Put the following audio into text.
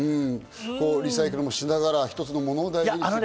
リサイクルもしながら、一つのもの大事に。